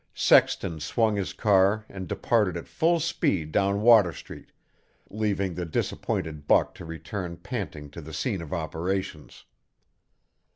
Sexton swung his car and departed at full speed down Water Street, leaving the disappointed Buck to return panting to the scene of operations.